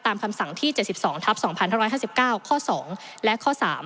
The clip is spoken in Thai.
คำสั่งที่๗๒ทับ๒๕๕๙ข้อ๒และข้อ๓